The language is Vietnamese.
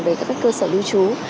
về các cơ sở lưu trú